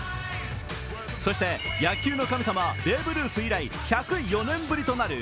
そして野球の神様、ベーブ・ルース以来１０４年ぶりとなる